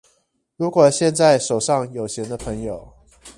如果現在手上有閒的朋友